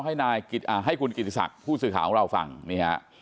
เล่าให้คุณกิจิศักดิ์ผู้สื่อข่าวของเราฟังนี่ครับ